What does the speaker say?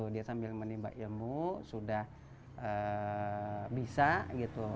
dia sambil menimba ilmu sudah bisa gitu